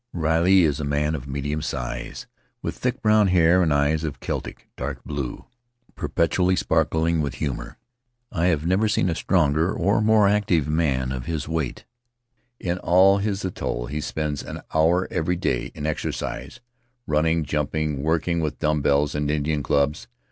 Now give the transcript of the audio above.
Riley is a man of medium size, with thick brown hair and eyes of Celtic dark blue, perpetually sparkling with humor. I have never seen a stronger or more active man of his weight; on his atoll he spends an hour every day in exercise, running, jumping, working with dumbbells and Indian clubs.